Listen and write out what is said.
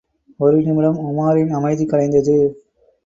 ஒரு நிமிடம் உமாரின் அமைதி கலைந்தது.